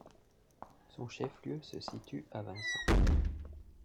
Son chef-lieu se situe à Vincent.